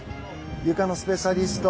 ゆかのスペシャリスト